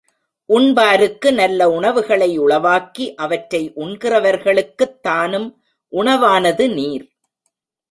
உண்பாருக்கு நல்ல உணவுகளை உளவாக்கி, அவற்றை உண்கிறவர்களுக்குத் தானும் உணவானது நீர்.